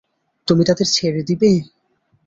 তুমি তাদের ছেড়ে দিবে?